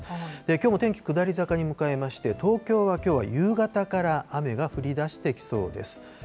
きょうも天気、下り坂に向かいまして、東京は、きょうは夕方から雨が降りだしてきそうです。